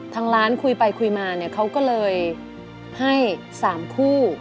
ทางร้านคุยไปคุยมาเนี่ยเขาก็เลยให้๓คู่